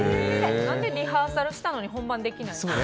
何でリハーサルしたのに本番できないの？